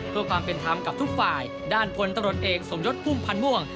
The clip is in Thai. เพื่อความเป็นธรรมกับทุกฝ่ายด้านพลตรวจเอกสมยศพุ่มพันธ์ม่วง